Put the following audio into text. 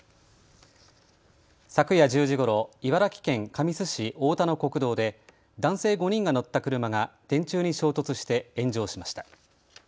昨夜１０時ごろ、茨城県神栖市太田の国道で男性５人が乗った車が電柱に衝突して炎上しました。